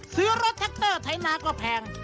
ซื้อรถแท็กเตอร์ไถนาก็แพง